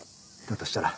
だとしたら。